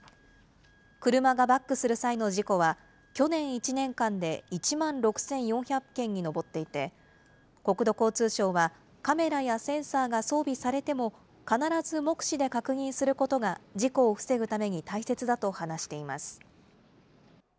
車がバックする際の事故は、去年１年間で１万６４００件に上っていて、国土交通省は、カメラやセンサーが装備されても、必ず目視で確認することが事故を防ぐために大切だと話しています。